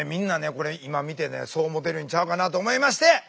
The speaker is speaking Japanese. これ今見てねそう思うてるんちゃうかなと思いまして！